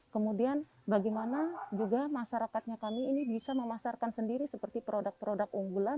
kemudian bagaimana juga masyarakatnya kami ini bisa memasarkan sendiri seperti produk produk unggulan